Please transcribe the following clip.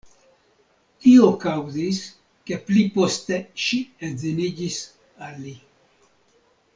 Tio kaŭzis, ke pliposte ŝi edziniĝis al li.